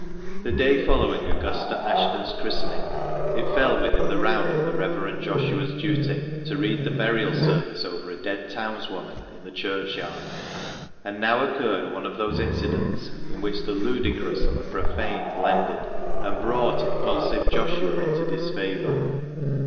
The day following Augusta Ashton's christening, it fell within the round of the Reverend Joshua's duty to read the burial service over a dead townswoman in the churchyard. And now occurred one of those incidents in which the ludicrous and the profane blended, and brought impulsive Joshua into disfavour.